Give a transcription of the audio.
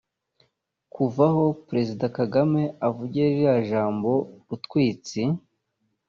Kuva aho Perezida Kagame avugiye ririya jambo rutwitsi